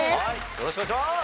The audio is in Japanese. よろしくお願いします。